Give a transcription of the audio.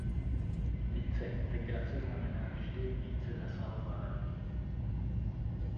Více integrace znamená vždy více zasahování.